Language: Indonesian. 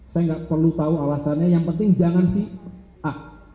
saya nggak perlu tahu alasannya yang penting jangan si a